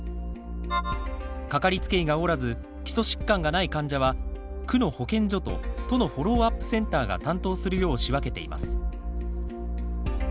かかりつけ医がおらず基礎疾患がない患者は区の保健所と都のフォローアップセンターが担当するよう仕分けています。